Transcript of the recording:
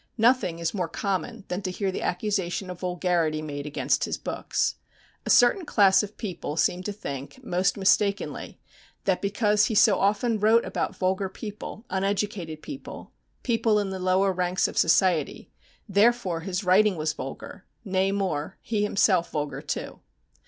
Nothing is more common than to hear the accusation of vulgarity made against his books. A certain class of people seem to think, most mistakenly, that because he so often wrote about vulgar people, uneducated people, people in the lower ranks of society, therefore his writing was vulgar, nay more, he himself vulgar too.